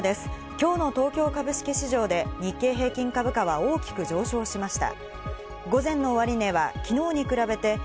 今日の東京株式市場で日経平均株価は大きく上昇しました。